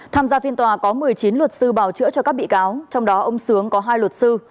tham gia phiên tòa có một mươi chín luật sư bảo chữa cho các bị cáo trong đó ông sướng có hai luật sư